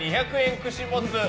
串モツ。